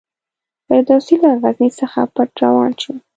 فردوسي له غزني څخه پټ روان شو.